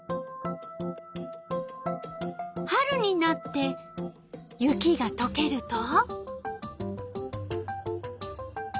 春になって雪がとけると？